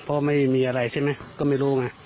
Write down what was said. เพราะไม่มีอะไรใช่ไหมก็ไม่รู้ไง